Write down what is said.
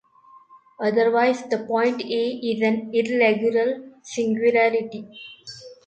Otherwise the point "a" is an irregular singularity.